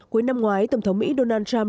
cuối năm ngoái tổng thống mỹ donald trump